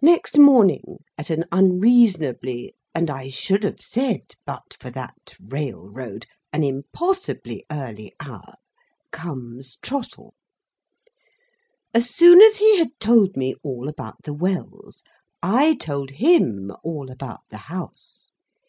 Next morning, at an unreasonably, and I should have said (but for that railroad) an impossibly early hour, comes Trottle. As soon as he had told me all about the Wells, I told him all about the House.